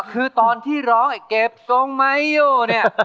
คือตอนที่ร้องเก็บกงไม้อยู่เนี่ย